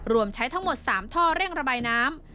รวมใช้ทั้งหมด๓ท่อเร่งระบายน้ำ